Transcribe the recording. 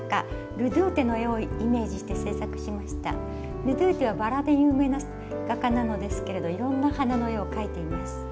ルドゥーテはばらで有名な画家なのですけれどいろんな花の絵を描いています。